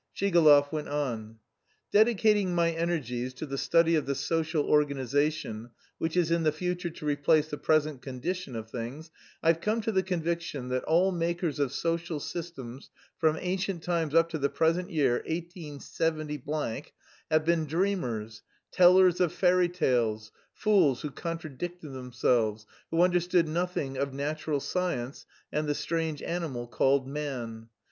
Shigalov went on. "Dedicating my energies to the study of the social organisation which is in the future to replace the present condition of things, I've come to the conviction that all makers of social systems from ancient times up to the present year, 187 , have been dreamers, tellers of fairy tales, fools who contradicted themselves, who understood nothing of natural science and the strange animal called man.